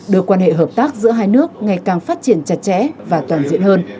đưa quan hệ hợp tác giữa hai nước ngày càng phát triển chặt chẽ và toàn diện hơn